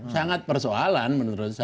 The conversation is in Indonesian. sangat persoalan menurut saya